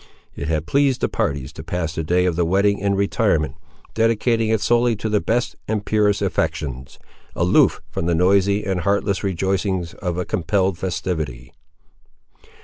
It had pleased the parties to pass the day of the wedding in retirement, dedicating it solely to the best and purest affections, aloof from the noisy and heartless rejoicings of a compelled festivity.